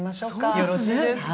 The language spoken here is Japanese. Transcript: よろしいですか？